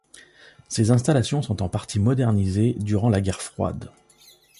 Ces installations sont en partie modernisées durant la Guerre froide.